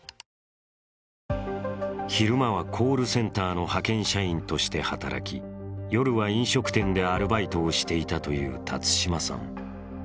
昼間はコールセンターの派遣社員として働き夜は飲食店でアルバイトをしていたという辰島さん。